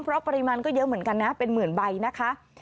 เพราะปริมาณก็เยอะเหมือนกันนะเป็นหมื่นใบนะคะ